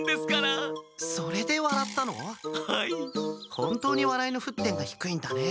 本当に笑いの沸点が低いんだね。